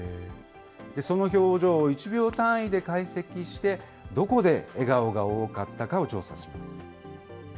その表情を１秒単位で解析して、どこで笑顔が多かったかを調査します。